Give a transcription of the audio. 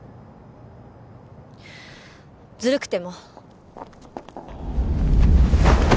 ずるくても。